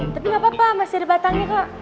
tapi gapapa masih ada batangnya kak